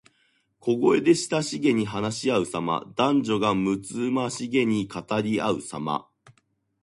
小声で親しげに話しあうさま。男女がむつまじげに語りあうさま。